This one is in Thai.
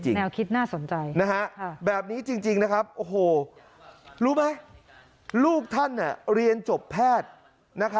แนวคิดน่าสนใจแบบนี้จริงนะครับโอ้โหรู้ไหมลูกท่านเรียนจบแพทย์